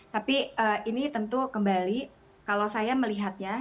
tapi ini tentu kembali kalau saya melihatnya